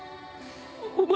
お前。